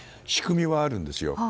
仕組みはあるんですよ。